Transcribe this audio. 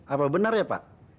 apa benar ya pak